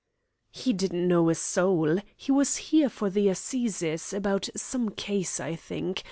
"He didn't know a soul. He was here for the Assizes, about some case, I think.